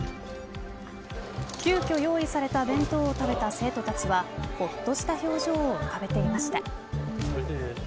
急きょ用意された弁当を食べた生徒たちはほっとした表情を浮かべていました。